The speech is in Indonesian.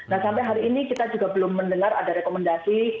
nah sampai hari ini kita juga belum mendengar ada rekomendasi